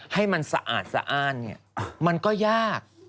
ให้มันสะอาดมันก็ยาก